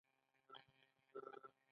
منډه له روغتیایي ستونزو ژغوري